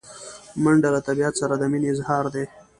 منډه له طبیعت سره د مینې اظهار دی